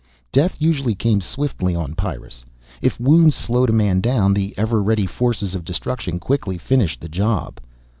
Death usually came swiftly on Pyrrus. If wounds slowed a man down, the ever ready forces of destruction quickly finished the job.